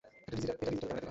এটা ডিজিটাল ক্যামেরায় তোলা।